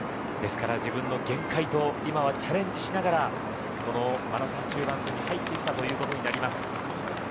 ですから、自分の限界と今はチャレンジしながらこのマラソン中盤戦に入ってきたということになります。